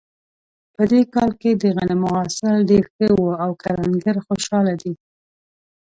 په دې کال کې د غنمو حاصل ډېر ښه و او کروندګر خوشحاله دي